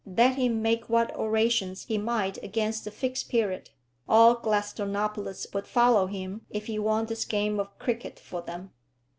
Let him make what orations he might against the Fixed Period, all Gladstonopolis would follow him if he won this game of cricket for them.